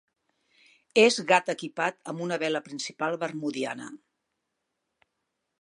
És gat equipat amb una vela principal bermudiana.